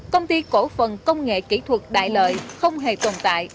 công ty cổ phần công nghệ kỹ thuật đại lợi không hề tồn tại